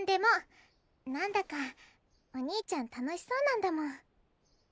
なんだかお兄ちゃん楽しそうなんだもん。